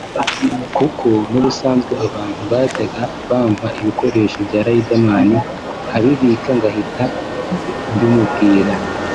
Kuko n’ubusanzwe abantu bajyaga bampa ibikoresho bya Riderman nkabibika ngahita mbimubwira